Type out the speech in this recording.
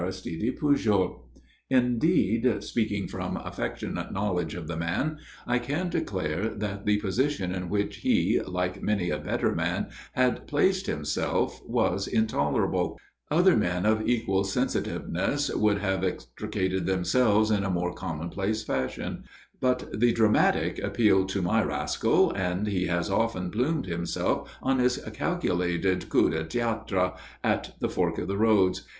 [Illustration: "I FOUND BOTH TYRES HAD BEEN PUNCTURED IN A HUNDRED PLACES"] Indeed, speaking from affectionate knowledge of the man, I can declare that the position in which he, like many a better man, had placed himself was intolerable. Other men of equal sensitiveness would have extricated themselves in a more commonplace fashion; but the dramatic appealed to my rascal, and he has often plumed himself on his calculated coup de théâtre at the fork of the roads.